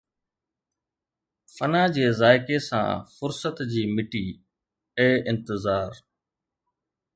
فنا جي ذائقي سان فرصت جي مٽي، اي انتظار